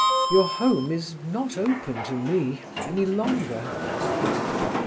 Your home is not open to me any longer."